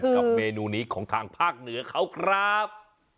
เมนูนี้ของทางภาคเหนือเขาครับ